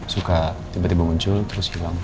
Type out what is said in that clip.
suka tiba tiba muncul terus dilanggar